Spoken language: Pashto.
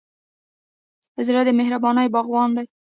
زړه د مهربانۍ باغوان دی.